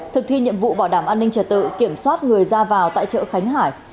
thực thi nhiệm vụ bảo đảm an ninh trật tự kiểm soát người ra vào tại chợ khánh hải